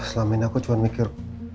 selama ini aku cuma mikir